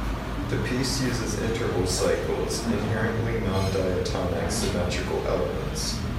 The piece uses interval cycles, inherently non-diatonic symmetrical elements.